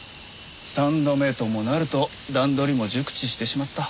３度目ともなると段取りも熟知してしまった。